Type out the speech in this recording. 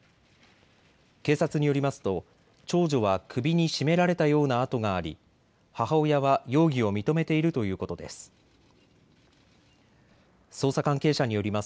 警察によりますと長女は首に絞められたような痕があり母親は容疑を認めているということです。